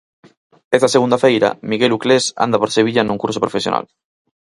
Esta segunda feira, Miguel Uclés anda por Sevilla nun curso profesional.